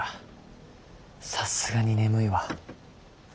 さすがに眠いわ。